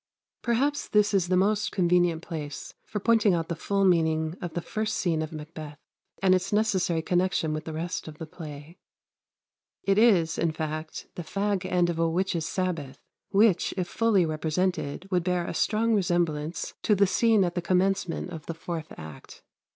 "] 96. Perhaps this is the most convenient place for pointing out the full meaning of the first scene of "Macbeth," and its necessary connection with the rest of the play. It is, in fact, the fag end of a witches' sabbath, which, if fully represented, would bear a strong resemblance to the scene at the commencement of the fourth act.